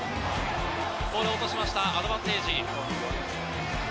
ボールを落としました、アドバンテージ。